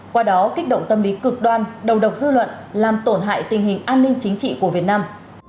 qua đó kích động tâm lý cực đoan đầu độc dư luận làm tổn hại tình hình an ninh chính trị của việt nam